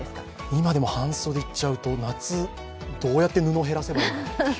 今でも半袖いっちゃうと、夏、どうやって布を減らせばいいでしょう。